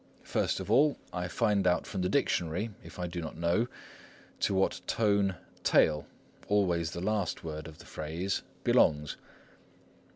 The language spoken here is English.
First of all, I find out from the Dictionary, if I do not know, to what Tone tale, always the last word of the phrase, belongs.